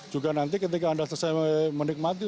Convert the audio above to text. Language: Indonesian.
juga nanti ketika anda selesai menikmati